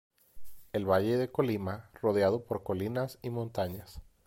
El Valle de Colima rodeado por colinas y montañas.